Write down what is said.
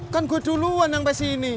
kan gue duluan sampai sini